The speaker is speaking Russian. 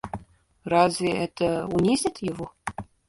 Разве это унизит его?